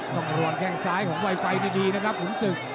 ต้องระวังแข้งซ้ายของไวไฟดีนะครับขุนศึก